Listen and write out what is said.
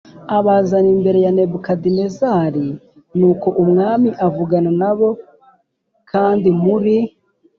abazana imbere ya Nebukadinezari Nuko umwami avugana na bo kandi muri